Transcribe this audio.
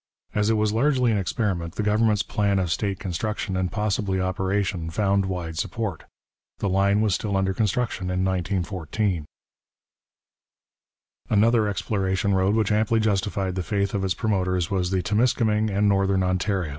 As it was largely an experiment, the government's plan of state construction and possibly operation found wide support. The line was still under construction in 1914. [Illustration: Railways of Canada, 1914] Another exploration road which amply justified the faith of its promoters was the Timiskaming and Northern Ontario.